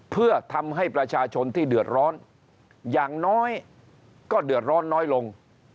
เพื่อทำให้ประชาชนที่เดือดร้อนอย่างน้อยก็เดือดร้อนน้อยลง